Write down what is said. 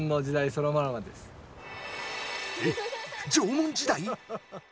えっ縄文時代